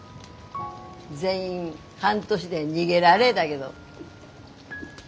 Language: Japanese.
全員半年で逃げられだげど。